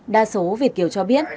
đa số việt kiều cho biết